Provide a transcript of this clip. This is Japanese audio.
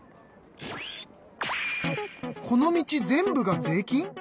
この道全部が税金！？